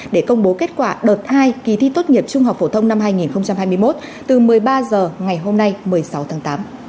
để công bố kết quả đợt hai kỳ thi tốt nghiệp trung học phổ thông năm hai nghìn hai mươi một từ một mươi ba h ngày hôm nay một mươi sáu tháng tám